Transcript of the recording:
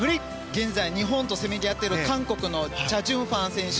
現在日本とせめぎ合っている韓国のチャ・ジュンファン選手